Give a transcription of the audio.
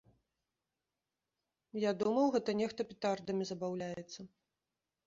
Я думаў, гэта нехта петардамі забаўляецца.